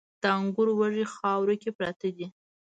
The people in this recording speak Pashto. د انګورو وږي خاورو کې پراته دي